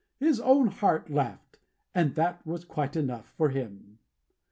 His own heart laughed: and that was quite enough for him.